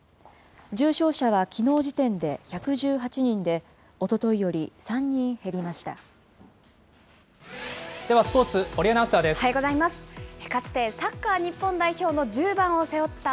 重症者はきのう時点で１１８人で、おとといより３人減りました。